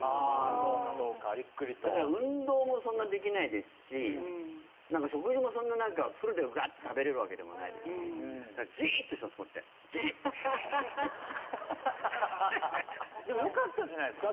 そうかそうかゆっくりとだから運動もそんなできないですし食事もそんな何かフルでガッて食べられるわけでもないですしこうやってじーっとでもよかったんじゃないですか？